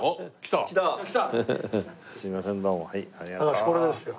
高橋これですよ。